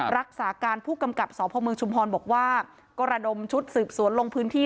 รักษาการผู้กำกับสพเมืองชุมพรบอกว่าก็ระดมชุดสืบสวนลงพื้นที่